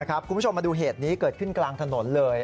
คุณผู้ชมมาดูเหตุนี้เกิดขึ้นกลางถนนเลย